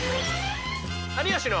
「有吉の」。